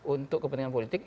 untuk kepentingan politik